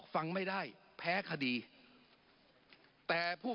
ปรับไปเท่าไหร่ทราบไหมครับ